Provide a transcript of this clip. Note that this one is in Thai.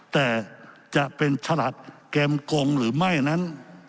แต่จะเป็นฉลัดเกมกงหรือไม่นั้น